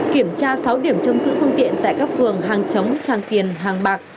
kiểm tra sáu điểm trông giữ phương tiện tại các phường hàng chống tràng tiền hàng bạc